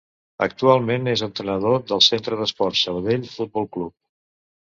Actualment és entrenador del Centre d'Esports Sabadell Futbol Club.